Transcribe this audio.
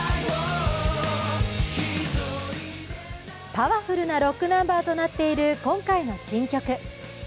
パワフルなロックナンバーとなっている今回の新曲。